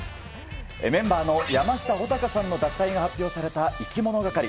メンバーの山下穂尊さんの脱退が発表されたいきものがかり。